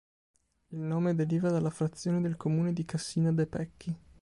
Il nome deriva dalla frazione del comune di Cassina de' Pecchi.